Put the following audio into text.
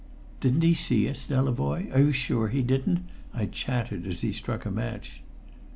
"Didn't he see us, Delavoye? Are you sure he didn't?" I chattered as he struck a match.